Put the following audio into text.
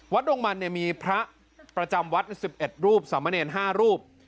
วัดดงมันเนี่ยมีพระประจำวัด๑๑รูปสามเมนียน๕รูป